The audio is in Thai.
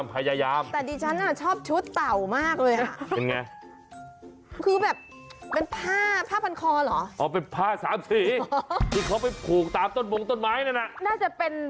น่าจะเป็นผ้าคาดเอวผ้าขวาดลงไปต่อ